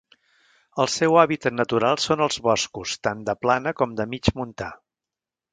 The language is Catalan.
El seu hàbitat natural són els boscos, tant de plana com de mig montà.